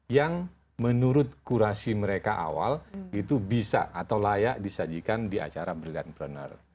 yang menurut kurasi mereka awal itu bisa atau layak disajikan di acara brilliantpreneur